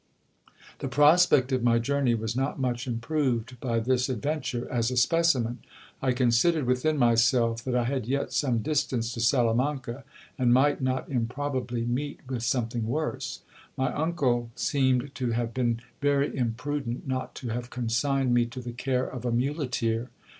The prospect of my journey was not much improved by this adventure as a specimen. I considered within myself that I had yet some distance to Sala manca, and might, not improbably, meet with something worse. My uncle seemed to have been very imprudent not to have consigned me to the care of a muleteer.